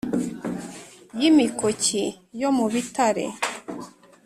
Y imikoki yo mu bitare